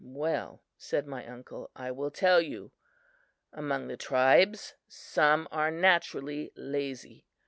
"Well," said my uncle, "I will tell you. Among the tribes, some are naturally lazy.